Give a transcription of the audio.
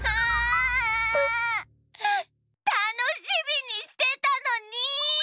たのしみにしてたのに！